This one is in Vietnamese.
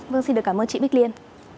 vâng xin được cảm ơn chị bích liên